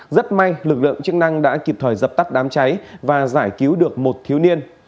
rất may lực lượng chức năng đã kịp thời dập tắt đám cháy và giải cứu được một thiếu niên